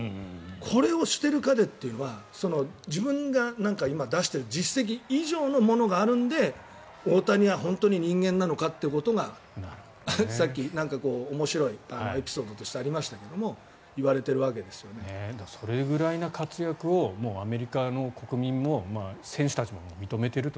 これをしている彼っていうのは自分が出している実績以上のものがあるので大谷は本当に人間なのかということがさっき、面白いエピソードとしてありましたけどそれぐらいの活躍をもう、アメリカの国民も選手たちも認めていると。